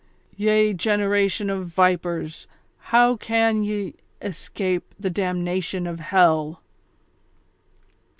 ye generation of vipers, lioio can ye escape the damnation of hell?